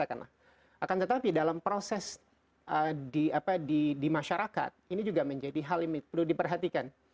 akan tetapi dalam proses di masyarakat ini juga menjadi hal yang perlu diperhatikan